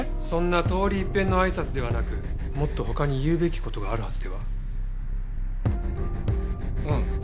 そんな通り一遍のあいさつではなくもっと他に言うべき事があるはずでは？